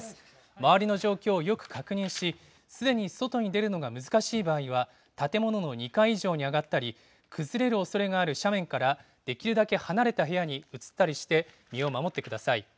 周りの状況をよく確認し、すでに外に出るのが難しい場合には、建物の２階以上に上がったり、崩れるおそれがある斜面からできるだけ離れた部屋に移ったりして、身を守ってください。